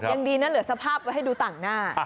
ยังดีนะเหลือสภาพไว้ให้ดูต่างหน้า